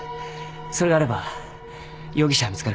それがあれば容疑者見つかるかも。